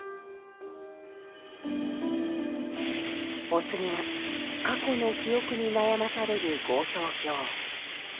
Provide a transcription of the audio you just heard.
お次は過去の記憶に悩まされる業相境。